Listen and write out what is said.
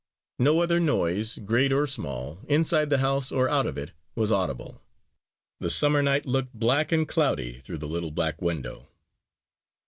No other noise, great or small, inside the house or out of it, was audible. The summer night looked black and cloudy through the little back window.